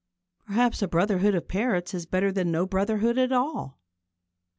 Perhaps a brotherhood of parrots is better than no brotherhood at all.